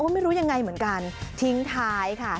ไม่รู้ยังไงเหมือนกันทิ้งท้ายค่ะ